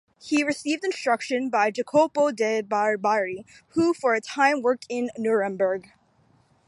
He received instruction by Jacopo de' Barbari, who for a time worked in Nuremberg.